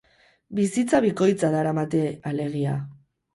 Bizitza bikoitza daramate alegia.